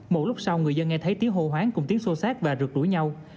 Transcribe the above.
một lúc sau người dân nghe thấy tiếng hồ hoáng cùng tiếng xô xác và rượt đuổi nhau